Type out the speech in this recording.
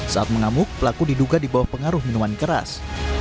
saat mengamuk pelaku diduga di bawah pengaruh minuman keras